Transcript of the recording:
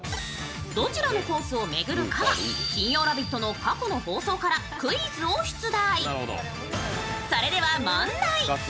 どちらのコースを巡るか、金曜「ラヴィット！」の過去の放送からクイズを出題。